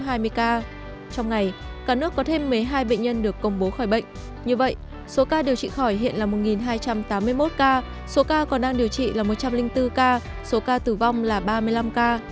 trong ngày cả nước có thêm một mươi hai bệnh nhân được công bố khỏi bệnh như vậy số ca điều trị khỏi hiện là một hai trăm tám mươi một ca số ca còn đang điều trị là một trăm linh bốn ca số ca tử vong là ba mươi năm ca